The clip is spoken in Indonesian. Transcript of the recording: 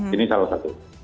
ini salah satu